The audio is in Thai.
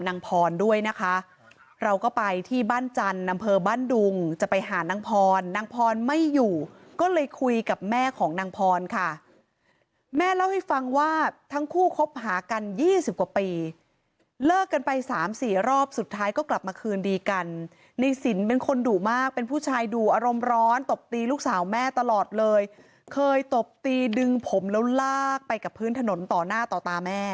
นางพรด้วยนะคะเราก็ไปที่บ้านจันทร์นำเภอบ้านดุงจะไปหานางพรนางพรไม่อยู่ก็เลยคุยกับแม่ของนางพรค่ะแม่เล่าให้ฟังว่าทั้งคู่คบหากันยี่สิบกว่าปีเลิกกันไปสามสี่รอบสุดท้ายก็กลับมาคืนดีกันในสินเป็นคนดุมากเป็นผู้ชายดุอารมณ์ร้อนตบตีลูกสาวแม่ตลอดเลยเคยตบตีดึงผมแล้วลากไปกับพื้นถนนต่อหน้าต่อตาแม่